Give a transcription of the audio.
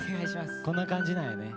こんな感じなんやね。